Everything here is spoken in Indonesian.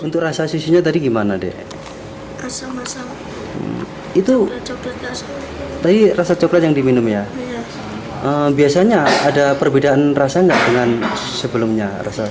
tadi rasa coklat yang diminum ya biasanya ada perbedaan rasanya dengan sebelumnya